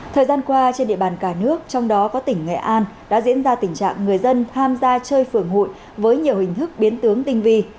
thời gian qua trên địa bàn cả nước trong đó có tỉnh nghệ an đã diễn ra tình trạng người dân tham gia chơi phường hụi với nhiều hình thức biến tướng tinh vi